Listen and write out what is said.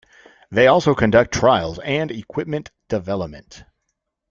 They also conduct trials and equipment development.